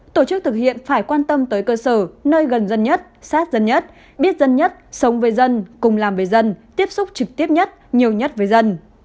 tổ chức thực hiện phải quan tâm tới cơ sở nơi gần dân nhất sát dân nhất biết dân nhất sống với dân cùng làm với dân tiếp xúc trực tiếp nhất nhiều nhất với dân